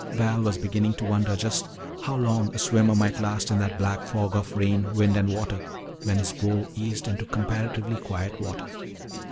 Val was beginning to wonder just how long a swimmer might last in that black fog of rain, wind, and water when his bow eased into comparatively quiet water.